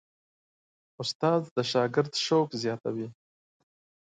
استاد د شاګرد شوق زیاتوي.